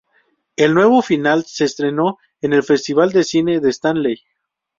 El nuevo final se estrenó en el Festival de Cine de Stanley.